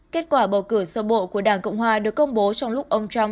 kết quả bầu cử sơ bộ của đảng cộng hòa được công bố trong lúc ông trump